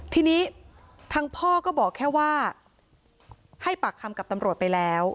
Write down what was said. ทีนี้ทางพ่อก็บอกแค่ว่าให้ปากคำกับตำรวจไปแล้ว